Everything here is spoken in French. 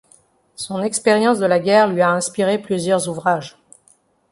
Son expérience de la guerre lui a inspiré plusieurs ouvrages.